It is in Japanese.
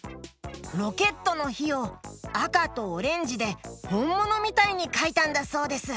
ロケットのひをあかとオレンジでほんものみたいにかいたんだそうです！